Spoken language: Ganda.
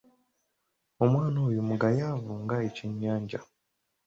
Omwana oyo mugayaavu nga Ekyennyanja.